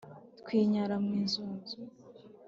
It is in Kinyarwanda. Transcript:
twinyara mw’izunzu